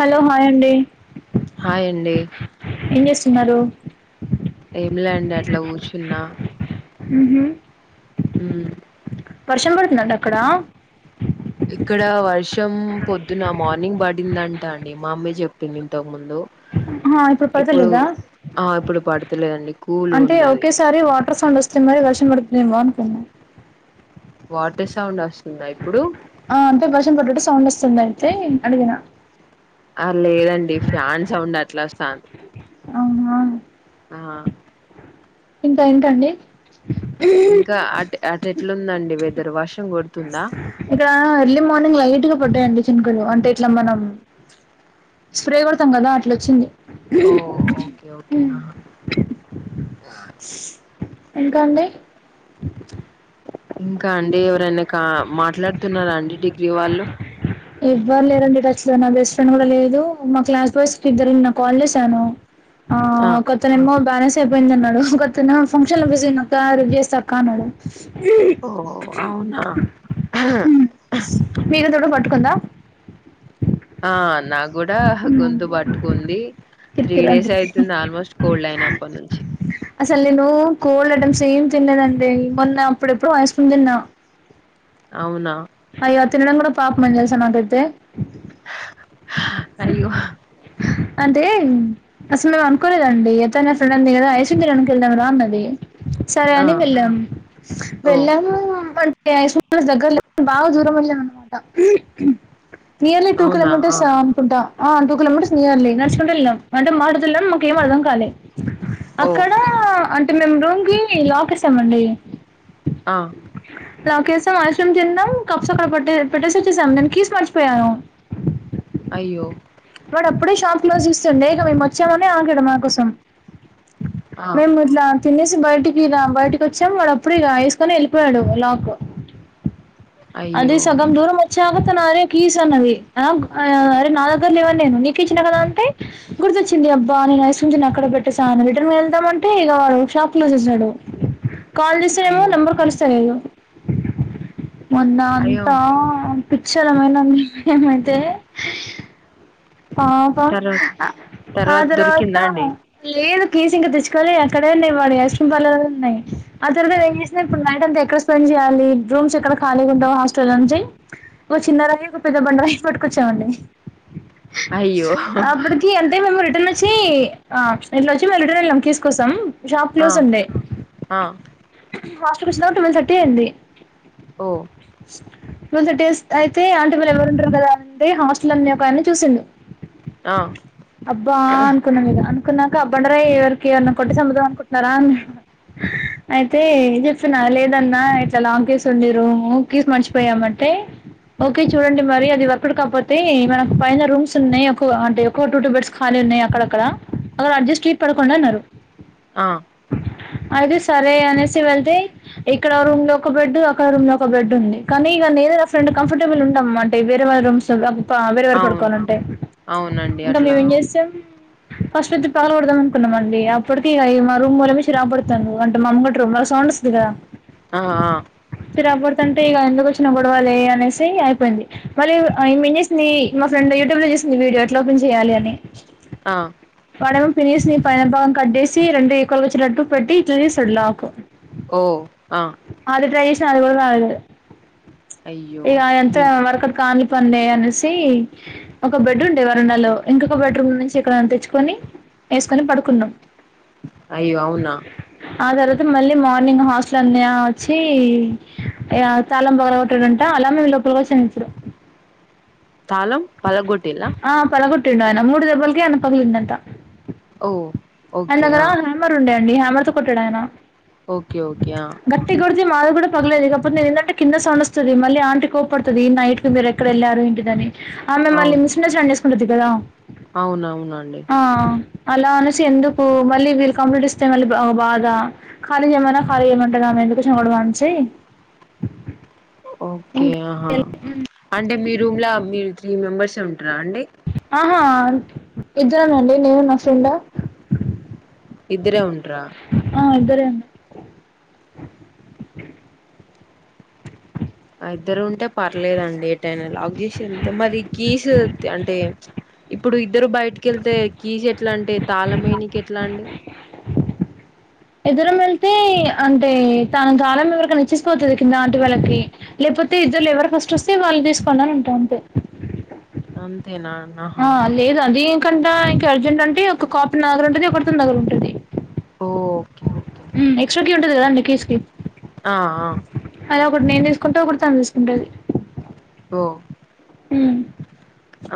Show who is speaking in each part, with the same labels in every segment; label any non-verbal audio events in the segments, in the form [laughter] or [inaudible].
Speaker 1: Hello hi అండి
Speaker 2: హాయ్ండి
Speaker 1: ఏం చేస్తున్నారు
Speaker 2: ఏమి లేండి అట్లా కూర్చున్నా
Speaker 1: ఊహూ
Speaker 2: హ్మ్
Speaker 1: వర్షం పడుతుందండి అక్కడ
Speaker 2: ఇక్కడ వర్షం పొద్దున మార్నింగ్ పడిందంటా అండి మా అమ్మీ చెప్పింది ఇంతకు ముందు
Speaker 1: ఆహా
Speaker 2: ఇప్పుడు
Speaker 1: పడతలేదా
Speaker 2: ఆ ఇప్పుడు పడతలేదండి కూల్ గా ఉన్నది
Speaker 1: సరే వాటర్ సౌండ్ వస్తుందిగా వర్షం పడుతుందేమో అనుకన్నా
Speaker 2: వాటర్ సౌండ్ వస్తుందా ఇప్పుడు
Speaker 1: ఆ అంటే వర్షం పడట్టు సౌండ్ వస్తుంది అయితే అడిగిన
Speaker 2: ఆ లేదండి ఫ్యాన్ సౌండ్ అట్లా వస్తా
Speaker 1: అవునా
Speaker 2: ఆ
Speaker 1: ఇంకా ఏంటండి
Speaker 2: ఇంకా అటు అటు ఎట్లుందండి వెదర్ వర్షం కొడుతుందా
Speaker 1: ఇక్కడ ఎర్లీ మార్నింగ్ లైట్ గా పడ్డాయండి చినుకలు అంటే ఇట్లా మనం స్ప్రే కొడతాం కదా అట్లొచ్చింది
Speaker 2: అవును
Speaker 1: ఇంకా అండి
Speaker 2: ఇంకా అండి ఎవరైనా కా మాట్లాడుతున్నారా అండి డిగ్రీ వాళ్ళు
Speaker 1: ఎవ్వరు లేరండి టచ్ లో నా బెస్ట్ ఫ్రెండ్ కూడా లేదు మా క్లాస్ బాయ్స్ కి ఇద్దరుని నా కాల్ చేశాను ఆ ఒకతనేమో బ్యాలెన్స్ అయిపోయింది అన్నాడు ఒకతనేమో ఫంక్షన్ లో బిజీ ఉన్నా పా రేపు చేస్తా క అన్నాడు
Speaker 2: ఓ అవునా
Speaker 1: మీరు తోడ పట్టుకుందా
Speaker 2: ఆ నా కూడా గొంతు పట్టుకుంది త్రీ
Speaker 1: కిరికిరి
Speaker 2: డేస్
Speaker 1: అంటుంది
Speaker 2: అయితుంది ఆల్మోస్ట్ కోల్డ్ అయినప్పడి నుంచి
Speaker 1: అసలు నేను కోల్డ్ ఐటమ్స్ ఏం తినలేదండి మొన్న అప్పుడెప్పుడో ఐస్ క్రీమ్ తిన్నా
Speaker 2: అవునా
Speaker 1: అలా తినడం కూడా పాపమని తెలుసా నాకైతే
Speaker 2: అయ్యో
Speaker 1: అంటే అసలు మేము అనుకోలేదండి ఎటైనా సడెన్ గా ఏరా [unintelligible] కి వెళ్దాం రా అన్నది సరే
Speaker 2: ఆ
Speaker 1: అని వెళ్ళాము
Speaker 2: ఓ
Speaker 1: వెళ్ళాము దగ్గర బాగా దూరం వెళ్ళా అనమాట నియర్లీ టూ
Speaker 2: అవునా ఆ
Speaker 1: కిలోమీటర్స్ అనుకుంటా ఆ టూ కిలోమీటర్స్ నియర్లీ నడుచుకుంటూ వెళ్ళాం అంటే మా అడుది వెళ్ళాము మాకు ఏం అర్థం కాలే
Speaker 2: ఓ
Speaker 1: అక్కడ అంటే మేము రూమ్కి లాక్ వేసామండి
Speaker 2: ఆ
Speaker 1: లాకేసాం ఐస్ క్రీం తిన్నాం కప్స్ అక్కడపెట్టే పెట్టేసి వచ్చేసాం కీస్ మర్చిపోయాను
Speaker 2: అయ్యో
Speaker 1: వాడు అప్పుడే షాప్ క్లోజ్ చేస్తుండే ఇక మేము వచ్చామని ఆగాడు మా కోసం
Speaker 2: ఆ
Speaker 1: మేము ఇలా తినేసి బయటికి ఇలా బయటకి వచ్చాము వాడు అప్పుడు ఇక వేసుకొని వెళ్ళిపోయాడు లాక్
Speaker 2: ఆ
Speaker 1: అది సగం దూరం వచ్చాక తను అరే కీస్ అన్నది అరే ఆ నాలు నా దగ్గర లేవు అని నేను నీకు ఇచ్చిన కదా అంతే గుర్తొచ్చింది అబ్బా నేను ఐస్ క్రిమ్ తిన్న అక్కడ పెట్టేసా అని రిటర్న్కి వెళ్దామంటే ఇక వాడు షాప్ క్లోజ్ చేసేశాడు
Speaker 2: ఆ
Speaker 1: కాల్ చేస్తే ఎమో నంబర్ కలుస్తాలేదు మొన్న
Speaker 2: అయ్యో
Speaker 1: అంత పిచ్చోళమైన నిరు ఏమైతే పాపం
Speaker 2: తర్వాత
Speaker 1: ఆ తర్వాత
Speaker 2: దొరికిందా అండి
Speaker 1: లేదు కీసు ఇంకా తెచ్చుకోలే అక్కడేన్నాయి వాడి ఐస్క్రీమ్ పార్లర్ లోనే ఉన్నాయి ఆ తర్వాత ఏం చేసినా ఇప్పుడు నైట్ అంత ఎక్కడ స్పెండ్ చేయాలి రూమ్స్ ఎక్కడ ఖాళీగా ఉంటావు హాస్టల్ నుంచి ఒక ఓ చిన్నరాయి ఒక పెద్ద బండరాయి పట్టుకొచ్చామండి
Speaker 2: అయ్యో
Speaker 1: ఆప్పడుకి అంటే మేము రిటన్ వచ్చి ఆ ఇట్లా వచ్చి మళ్ళి రిటర్న్ వెళ్ళాం కీస్ త కోసాం షాప్
Speaker 2: ఆ
Speaker 1: క్లోజ్ ఉండే
Speaker 2: ఆ
Speaker 1: హాస్టల్ కి వచ్చిన తర్వాత ట్వల్వ్ థర్టీ అయింది
Speaker 2: ఓ
Speaker 1: ట్వల్ థర్టీ అయితే ఆంట వాళ్ళు ఎవరు ఉంటారు కదా అంటే హాస్టల్ అనే కానీ చూసిండు
Speaker 2: ఆ
Speaker 1: అబ్బా అనుకున్నా మీద అనుకున్నాక అ బండరాయి ఎవరికి ఏవన్నా కొట్టి సమ్పుద్దాం అనుకున్నారా అ అయితే చెప్పిన లేదన్నా ఇట్లా లాంగ్ కీస్ ఉండి కీసు మర్చిపోయామంటే ఓకే చూడండి మరి అది వర్క్ అవుట్ కాకపోతే మనం పైన రూమ్స్ ఉన్నాయి అంటే ఒక్క టూ టూ బెడ్స్ ఖాళీ ఉన్నాయి అక్కడక్కడ అలా అడ్జస్ట్ట్ అయి పడుకోండి అన్నారు
Speaker 2: ఆ
Speaker 1: అయితే సరే అనేసి వేళ్తే ఇక్కడ రూమ్ లో ఒక బెడ్ అక్కడ రూమ్ లో ఒక బెడ్ ఉంది కానీ ఇక నేను నా ఫ్రెండ్ కంఫర్టబుల్ ఉంటాం అంటే వేరే వాళ్ళ రూమ్స్ తార్ అంత వేరువేరు
Speaker 2: అవును
Speaker 1: పడుకోవాలంటే
Speaker 2: అవునండి
Speaker 1: ఇంకా
Speaker 2: అట్లా
Speaker 1: మేము ఏం
Speaker 2: అవును
Speaker 1: చేస్తాం ఫస్ట్ అయితే పగల గొడదాం అనుకున్నాంమండి అప్పడకి ఇక రూమ్ వల మి రాబడతాను అంటే మా అమ గడి రూమ్ సౌండ్ ఇగా
Speaker 2: ఆ ఆ
Speaker 1: తీరాబడతుంటే ఇక ఎందుకు వచ్చినా గొడవలే అనేసి అయిపోయింది మళ్ళీ మిగేసింది మా ఫ్రెండ్ యూట్యూబ్ లో చేసింది వీడియో ఎట్లా ఓపన్ చేయాలి అని
Speaker 2: ఆ
Speaker 1: వాడేమో పినీస్ని పైన భాగం కటేసి రెండు ఇక వాల్గా వచ్చేటట్టు పెట్టి ఇట్ తీస్తాడు లాక్
Speaker 2: ఓ ఆ
Speaker 1: అది ట్రై చేసిన అది కూడా రాలేదు
Speaker 2: అయ్యో
Speaker 1: ఇక ఎంత
Speaker 2: ఉమ్
Speaker 1: వర్కౌట్ కాని పనిలే అనేసి ఒక బెడ్ ఉండే వరుడాలో ఇంకొక బెడ్రూమ్ నుంచి ఎక్కడైనా తెచ్చుకొని వేసుకొని పడుకున్నాం
Speaker 2: అయ్యో అవునా
Speaker 1: ఆ తర్వాత మళ్ళీ మార్నింగ్ హాస్టల్ అన్నయ్య వచ్చి ఇగ తాలం పగల కొట్టడంటా అలా మే లోపలకి వచేశాం ఇప్పుడు
Speaker 2: తాలం పగల గొట్టిలా
Speaker 1: ఆ పగలగొట్టిండు అయన మూడు దెబ్బలకి ఎమో పగిలిందంత
Speaker 2: ఓ
Speaker 1: ఆయన
Speaker 2: ఓకే
Speaker 1: దగ్గర
Speaker 2: ఆ
Speaker 1: హ్యామర్ ఉండేయండి హ్యామర్ తో కొట్టాడు ఆయన
Speaker 2: ఓకే ఓకే ఆ
Speaker 1: గట్టిగ కొడితే మాది కూడా పగలేదు కాపోతే నేను ఏదంటే కింద సౌడ్ వస్తది మళ్ళీ ఆంటికి కోపడతది నైట్లో మీరు ఎక్కడ వెళ్ళారు ఎంటిదని ఆ మిమ్మల్ని
Speaker 2: అవును
Speaker 1: మిస్ అండర్స్టాండ్ చేసుకుంటది కదా
Speaker 2: అవునవునండి
Speaker 1: ఆ అలా అనేసి ఎందుకు మళ్ళీ వీళ్ళు కంప్లీట్ ఇస్తే మళ్ళీ బా బాధ ఖాళీ చేయమన్న ఖాళీ చేయమంటది ఆమె ఎందుకు వచ్చిన గొడవ అనేసి
Speaker 2: ఓకే
Speaker 1: ఇంకా
Speaker 2: ఆహా అంటే మీ రూమ్లా మీరు త్రీ మెంబెర్సే ఉంటరా అండి
Speaker 1: ఆహా ఇద్దరమే అండి నేను నా ఫ్రెండ్
Speaker 2: ఇద్దరే ఉంట్ర
Speaker 1: ఆ ఇద్దరే అం
Speaker 2: ఆ ఇద్దరు ఉంటే పర్లేదండి ఏటైన లాక్ చేసి వెళ్తే మరి కీసు అంటే ఇప్పుడు ఇద్దరు బయటికి వెళ్తే కీజ్ ఎట్లా అంటే తాళమేనికి ఎట్లా అండి
Speaker 1: ఇద్దరం వెళ్తే అంటే తన తాలం ఎవరికైన ఇచ్చిసిపోతది కింద అంటీ వాళ్ళకి లేపోతే ఇద్దరలో ఎవరు ఫస్ట్ వస్తే వాళ్ళు తీసుకోనని అంటాం అంతే
Speaker 2: అంతే నాన్
Speaker 1: ఆ లేదు అది ఇంకంట ఇంకా అర్జెంట్ అంటే ఒక కాపీ నా దగ్గర ఉంటుంది ఒకటి తన దగ్గర ఉంటుంది
Speaker 2: ఓకే ఓ
Speaker 1: ఎక్స్ట్రా కీ ఉంటది కదా అండి కీస్ కి
Speaker 2: ఆ ఆ
Speaker 1: అలా ఒకటి నేను తీసుకుంట ఒకటి తను తీసుకుంటది
Speaker 2: ఓ
Speaker 1: ఉ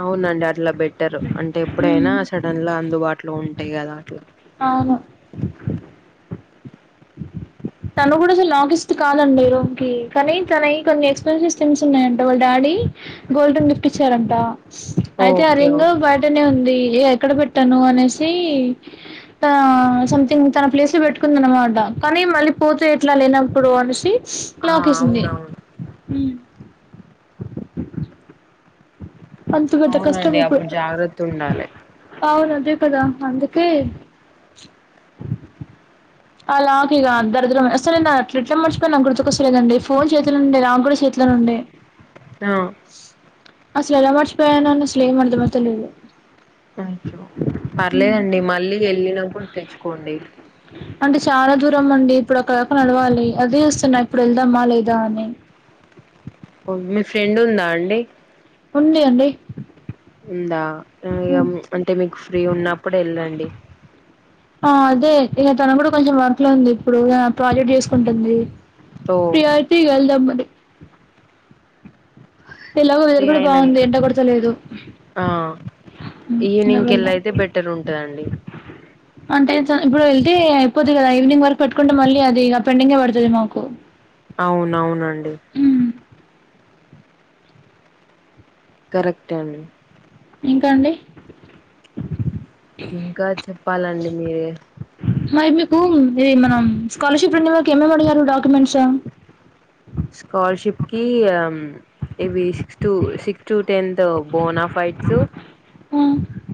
Speaker 2: అవునండి అట్లా బెట్టర్ అంటే ఎప్పుడైనా సడన్ ల అందుబాటులో ఉంటాయి కదా అట్ల
Speaker 1: అవును
Speaker 2: [inaudible]
Speaker 1: తను కూడా అసలు లాకిస్ట్ కాదండి రూమ్ కి కానీ తనయి కొన్ని ఎక్స్పెన్సెస్ థింగ్స్ ఉన్నాయంట వాళ్ళ డాడీ గోల్డెన్ గిఫ్ట్ ఇచ్చారంట అయితే అ
Speaker 2: ఓకే ఓ
Speaker 1: రింగో బ బైటనే ఉంది ఏ ఎక్కడ పెట్టను అనేసి తన సంథింగ్ తన ప్లేస్ లో పెట్టుకుంది అన్నమాట కానీ మళ్ళీ పోతే ఎట్లా లేనప్పుడు అనేసి
Speaker 2: ఆ
Speaker 1: లాకేసింది
Speaker 2: అవునవును
Speaker 1: ఉ అంత పెద్ద కష్టం
Speaker 2: అవునండి
Speaker 1: ఇప్పుడు
Speaker 2: అప్పుడు జాగ్రత్త ఉండాలి
Speaker 1: అవును అదే కదా అందుకే అ లాక్ ఇగ దరిద్రం అసల్ నిన్ అట్లెట్ల మర్చిపోయిన నాకుగుర్తుకొస్తలేదండి ఫోన్ చేతిలోనే ఉంది నాకు కూడా చే ఉండే
Speaker 2: ఆ
Speaker 1: అసలు ఎలా మర్చిపోయానో అనేసి ఏం అర్థమైతలేదు
Speaker 2: అచొ పర్లేదండి మళ్ళీ వెళ్ళినప్పుడు తెచ్చుకోండి
Speaker 1: అంటే చాలా దూరం అండి ఇప్పుడు అక్కడి దాక నడవాలి అదే చుస్తున్నా ఇప్పుడు వెళ్దామా లేదా అని
Speaker 2: ఒ మీ ఫ్రెండ్ ఉందా అండి
Speaker 1: ఉంది అండి
Speaker 2: ఉందా అంటే మీకు ఫ్రీ ఉన్నప్పుడు వెళ్ళండి
Speaker 1: ఆ అదే ఇగ తన కూడా కొంచెం వర్క్ లో ఉంది ఇప్పుడు ఇ ప్రాజెక్ట్ చేసుకుంటుంది
Speaker 2: సో
Speaker 1: ఫ్రీ అయితే ఇగ వెళ్దాం మరి ఎలాగో వెదర్
Speaker 2: ఫ్రీ
Speaker 1: కూడా బాగుంది
Speaker 2: అయినంక
Speaker 1: ఎండ కొడతలేదు ఇంకా వెళ్ళాం
Speaker 2: ఈవినింగ్కెల్లయితే బెటర్ ఉంటదండి
Speaker 1: అంటే చ ఇప్పుడు వెళ్తే అయిపొద్ది కదా ఈవినింగ్ వర్క్ పెట్టుకుంటే మళ్ళీ అది ఇగ పెండింగే పడుతది మాకు
Speaker 2: అవునవునండి
Speaker 1: హ్మ్,
Speaker 2: కరెక్టే అండి
Speaker 1: ఇంకా అండి
Speaker 2: ఇంకా చెప్పాలండి మీరే
Speaker 1: మరి మీకు ఇ మన స్కాలర్షిప్ ఇందులోకి ఏమేం ఏమేం అడిగారు డాక్యుమెంట్స్
Speaker 2: స్కాలర్షిప్ కి ఇవి sixth six to tenth bonafides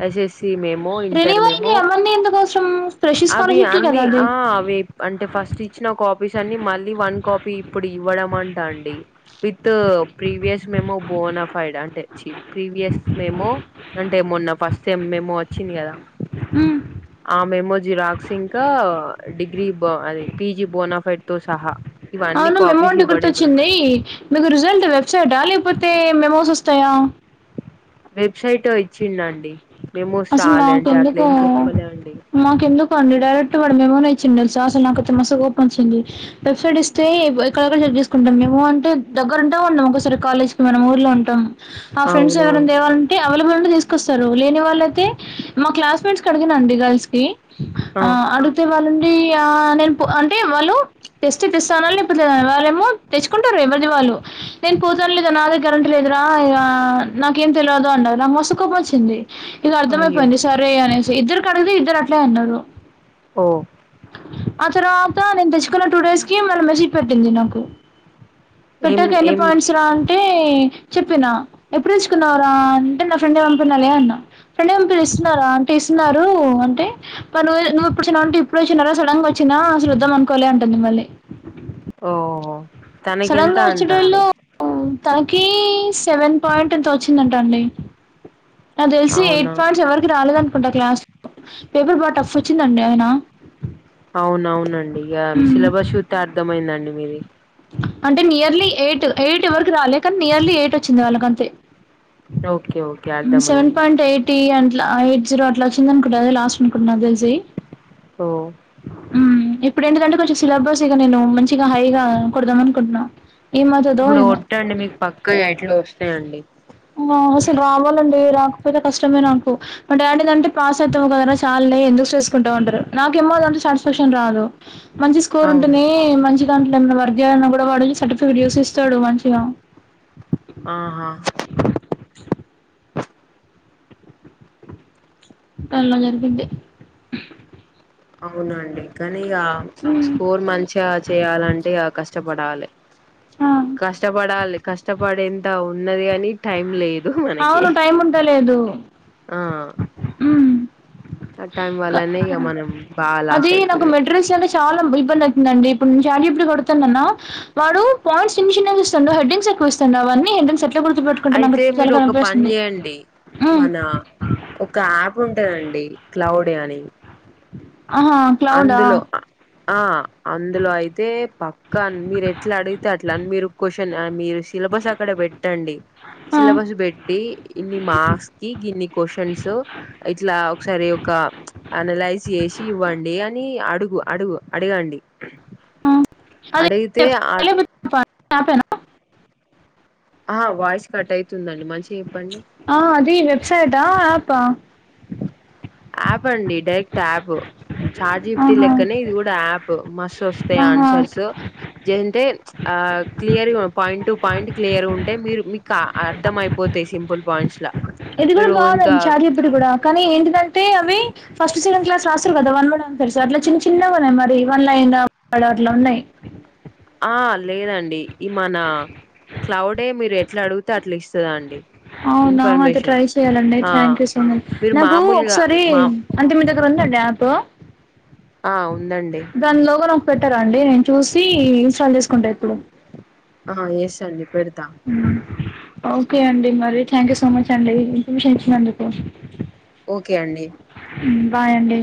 Speaker 2: SSC memo inter
Speaker 1: రెన్యువల్కి
Speaker 2: మెమో
Speaker 1: అవన్నీ ఎందుకు అవసరం ఫ్రెష్
Speaker 2: అవి
Speaker 1: స్కాలర్షిప్కి కదా
Speaker 2: అన్ని
Speaker 1: అది
Speaker 2: ఆ అవి అంటే ఫస్ట్ ఇచ్చిన కాపీస్ అన్ని మళ్ళీ వన్ కాపీ ఇప్పుడు ఇవ్వడం అంటా అండి విత్ ప్రీవియస్ మేమో బోనఫైడ్ అంటే చీప్ ప్రీవియస్ మేమో అంటే మోన్న ఫస్ట్ టైమ్ మేమో వచ్చింది కదా
Speaker 1: హు
Speaker 2: ఆ మెమో జిరాక్స్ ఇంకా డిగ్రీ బ అది పీజీ బోనాఫైడ్ తో సహా ఇవన్నీ
Speaker 1: మెమో
Speaker 2: కాపీస్
Speaker 1: అంటే
Speaker 2: ఇవ్వడమే అంట
Speaker 1: గుర్తొచ్చింది మీకు రిజల్ట్ వెబ్సైటా లేకపోతే మెమోస్ వస్తాయా
Speaker 2: వెబ్సైట్ వచ్చింది అండి మేమోస్ రాలె అంటే అట్లే ఏం చెప్పలే అండి
Speaker 1: మాకు ఎందుకో అండి డైరెక్ట్ వాడు మేమోనే ఇచ్చిండు తెలుసా అసలు నాకైతే మస్తు కోపం వచ్చింది వెబ్సైట్ ఇస్తే ఎక్కడేక్కడ చెక్ చేసుకుంటాం మేము అంటే దగ్గర ఉంటాం ఉండం ఒకసారి కాలేజ్ కి మనము ఊర్లో ఉంటాం ఆ ఫ్రెండ్స్ ఎవరన్నా
Speaker 2: అవునవును
Speaker 1: దేవాల అంటే అవైలబుల్ ఉంటే తీసుకొస్తారు లేని వాళ్ళు అయితే మా క్లాస్ మేట్స్ కి అడిగినండి గర్ల్స్ కి ఆ అడుగుతే వాళ్ళండి ఆ నేను పో అంటే వాళ్ళు టెస్ట్ తేస్తన్లే ఇప్పుడు వాళ్ళేమో తెచ్చుకుంటరు ఎవరిది వాళ్ళు నేను కుదర్లేదు అన్న నా దగ్గరే కరెంట్ లేదరా ఇ నాకేం తెలియ అన్నారు నాకు మస్తు కోపం వచ్చింది ఇది
Speaker 2: అయ్యో
Speaker 1: అర్థమయిపోయింది సరే అనేసి ఇద్దరు కడిగతే ఇద్దరు అట్లే అన్నారు
Speaker 2: ఓ
Speaker 1: ఆ తర్వాత నేను తెచ్చుకున్న టూ డేస్ కి మళ్ళీ మెసేజ్ పెట్టింది నాకు
Speaker 2: ఏం
Speaker 1: పెట్టాక ఎన్ని
Speaker 2: ఏం
Speaker 1: పాయింట్స్ రా అంటే చెప్పినా ఎప్పుడు తెచ్చుకున్నావు రా అంటే నా ఫ్రెండ్ ఏ పంపినలే అన్న ఫ్రెండ్ ఏ పంపనిస్తున్నారా అంటే ఇస్తున్నారు అంటే ఆ నువ్వు ఇప్పుడు వచ్చినవ అంటే ఇప్పుడు అచ్చినా రా సడన్గా వచ్చినా అసలు వద్దాం అనుకోలే అంటుంది మళ్ళీ
Speaker 2: ఓహో
Speaker 1: సడన్
Speaker 2: తనకెంత
Speaker 1: గా
Speaker 2: అంట అండి
Speaker 1: వచ్చేటోళ్ళు హు తనకి సెవెన్ పాయింట్ ఎంతో వచ్చిందంట అండి నాకు తెలిసి
Speaker 2: అవునా
Speaker 1: ఎయిట్ పాయింట్స్ ఎవరికి రాలేదు అనుకుంటా క్లాస్ లో పేపర్ బాగా టఫ్ వచ్చిందండి అయినా
Speaker 2: అవునవునండి ఇగ సిలబస్ చూతే అర్థమయిందండి మీది
Speaker 1: అంటే నియర్లీ ఎయిట్ ఎయిట్ ఎవరకి రాలే కానీ నియర్లీ ఎయిట్ వచ్చింది వాళ్ళకంతే
Speaker 2: ఓకే ఓకే
Speaker 1: హు సెవెన్
Speaker 2: అర్థమైంది
Speaker 1: పాయింట్ ఎయిట్ టీ అట్లా ఎయిట్ జీరో అట్లా వచ్చింది అనుకుంట అది లాస్ట్ అనుకుంటున్నా నాకు తెలిసి
Speaker 2: హో
Speaker 1: హు ఇప్పుడు ఎంటిదంటే కొంచెం సిలబస్ ఇగ నేను మంచిగా హైగా కోడదాం అనుకుంటున్నా
Speaker 2: ఇప్పుడు కోట్టండి మీకు పక్కగా ఎయిట్లు వస్తాయండి
Speaker 1: ఆ అసలు రావాలనీ లే రాకపోతే కష్టమే నాకు మా డాడిది అంటే పాస్ అవుతవు కదా చాల్లే ఎందుకు చేసుకుంటవు అంటరు నాకేమో అంటే సాటిస్ఫాక్షన్ రాదు మంచి స్కోర్
Speaker 2: అవునా
Speaker 1: ఉంటునే మంచి దాంట్లోనే ఏమన్నా వర్క్ జెఅన్న కూడా వాడు ఈ సర్టిఫికేట్ చూసిస్తాడు మంచిగా
Speaker 2: ఆహా
Speaker 1: అలా జరిగింది
Speaker 2: అవునండి కానీ ఇగ
Speaker 1: హ్మ్.
Speaker 2: స్కోర్ మంచిగా చేయాలంటే ఇగ కష్టపడాలి
Speaker 1: ఆ!
Speaker 2: కష్టపడాలి కష్టపడేంత ఉన్నది కాని టైం లేదు మనకి
Speaker 1: అవును. టైం
Speaker 2: ఆ
Speaker 1: మ్
Speaker 2: ఆ టైం వల్లనే ఇగ మనం బాగా లాస్
Speaker 1: అది నాకు
Speaker 2: అయితున్నాం
Speaker 1: మెటీరియల్స్ అనే చాలా ఇబ్బంది అవుతుందండి ఇప్పుడు చాట్ జిపిటికి అడుగుతన్నాన వాడు పాయింట్స్ చిన్న చిన్నగ ఇస్తండు హెడింగ్స్ ఎక్కువ ఇస్తండు అవన్నీ హెడింగ్సె ఎట్ల గుర్తు పెట్టుకుంటా
Speaker 2: అయితే
Speaker 1: చాల చాల బేస్తుంది మ్
Speaker 2: నా ఒక యాప్ ఉంటాదండి క్లౌడి అని
Speaker 1: ఆహా క్లౌడా
Speaker 2: అందులో ఆ అందులో అయితే పక్క అన్ మీరు ఎట్లా అడిగితే ట్లన్ మీరు క్వశ్చన మీరు సిలబస్ అక్కడ పెట్టండి
Speaker 1: ఆ
Speaker 2: సిలబస్ పె డి ఇన్ని మార్క్స్కి గిన్ని క్వశ్చన్సు ఇట్లా ఒకసారి ఒక అనలైజ్ చేసి ఇవ్వండ్ డి అని అడుగు అడుగు అడగండి అడిగితే అ
Speaker 1: ప యాపేన
Speaker 2: ఆ వాయిస్ కట్ అయితుందండి మంచిగా చెప్పండి
Speaker 1: ఆ అది వెబ్సైటా యాప
Speaker 2: యాప్ అండి డైరెక్ట్ యాప్ చాట్జిపిటి
Speaker 1: ఆహా
Speaker 2: లెక్కనే ఇది కూడా యాప్ మస్ స్తాయ్
Speaker 1: ఆహా
Speaker 2: ఆన్సర్సు ఏంటే ఆ clear point to point clear ఉంటే మీరు మీక అర్థం అయిపోతాయి సింపుల్ పాయింట్స్ ల
Speaker 1: ఇది కూడా బాలే చాట్జిపిటి కూడా కానీ ఏంటిదంటే అవి ఫస్ట్ సెకండ్ క్లాస్ రాస్తారు కదా వన్ వర్డ్ ఆనర్సు అట్ల చిన్న చిన్నగ ఉన్నాయి మరి వన్ లైన్ అట్లా ఉన్నాయి
Speaker 2: ఆ లేదండి ఈ మన క్లౌడే మీరు ఎట్లా అడిగుతే అట్లా ఇస్తదండి
Speaker 1: అవునా అయితే ట్రై చెయాలండి
Speaker 2: ఆ
Speaker 1: థ్యాంక్యూ సో మచ్
Speaker 2: మీరు
Speaker 1: నాకు
Speaker 2: మామూలుగా
Speaker 1: ఒకసారి
Speaker 2: మా
Speaker 1: అంటే మీ దగ్గర ఉందండి యాపు
Speaker 2: ఆ ఉందండి
Speaker 1: దాని లోగో నాకు పెట్టారా అండి నేను చూసి ఇన్స్టాల్ చేసుకుంటా ఇప్పుడు
Speaker 2: ఆ ఎస్ అండి పెడతా
Speaker 1: ఓకే అండి మరి థ్యాంక్యూ సో మచ్ అండి ఇన్ఫర్మేషన్ ఇచ్చినందుకు
Speaker 2: ఓకే అండి
Speaker 1: మ్ బాయ్ అండి